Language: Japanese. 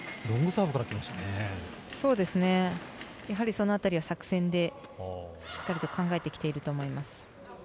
その辺りは作戦でしっかりと考えてきていると思います。